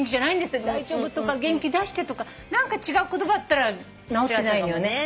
「大丈夫？」とか「元気出して」とか何か違う言葉だったらなおってないのよね。